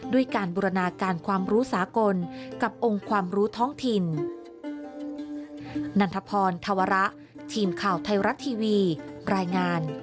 ด้วยการบูรณาการความรู้สากลกับองค์ความรู้ท้องถิ่น